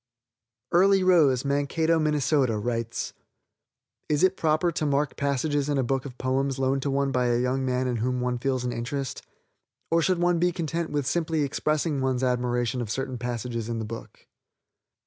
Early Rose, Mankato, Minn., writes: "Is it proper to mark passages in a book of poems loaned to one by a young man in whom one feels an interest, or should one be content with simply expressing one's admiration of certain passages in the book?"